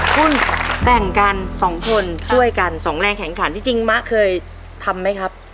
คุณแบ่งกันสองคนช่วยกันสองแรงแข่งขันที่จริงมะเคยทำไหมครับ